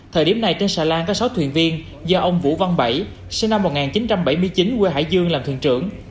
thời điểm này trên xà lan có sáu thuyền viên do ông vũ văn bảy sinh năm một nghìn chín trăm bảy mươi chín quê hải dương làm thuyền trưởng